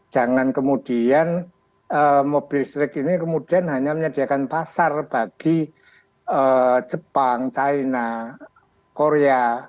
jangan kemudian mobil listrik ini kemudian hanya menyediakan pasar bagi jepang china korea